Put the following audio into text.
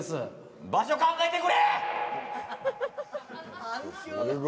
場所、考えてくれ！